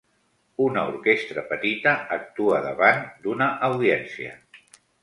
una orquestra petita actua davant d'una audiència.